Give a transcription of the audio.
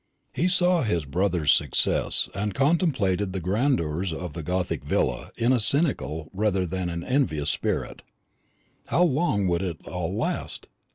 He saw his brother's success, and contemplated the grandeurs of the gothic villa in a cynical rather than an envious spirit. How long would it all last?